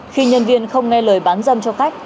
khi nhân viên không nghe lời bán dâm cho khách